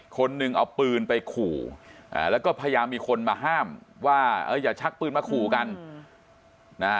คนหนึ่งเอาปืนไปขู่แล้วก็พยายามมีคนมาห้ามว่าเอออย่าชักปืนมาขู่กันนะฮะ